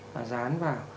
và dán vào